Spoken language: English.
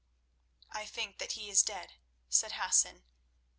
"I think that he is dead," said Hassan.